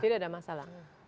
tidak ada masalah